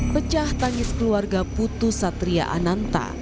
pecah tangis keluarga putu satria ananta